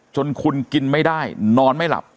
จนคุณกินไม่ได้นอนไม่หลับ